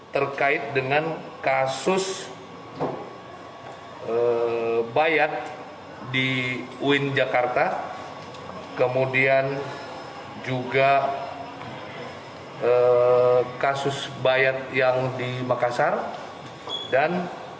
terkait dengan kasus bayat di uin jakarta kemudian juga kasus bayat yang di makassar dan